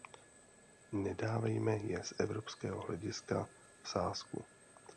Nedávejme je z evropského hlediska v sázku.